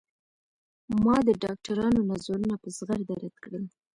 ما د ډاکترانو نظرونه په زغرده رد کړل.